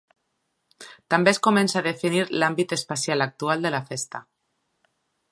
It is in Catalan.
També es comença a definir l'àmbit espacial actual de la festa.